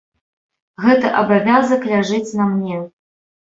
Гэты абавязак ляжыць на мне.